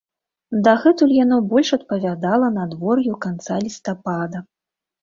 Дагэтуль яно больш адпавядала надвор'ю канца лістапада.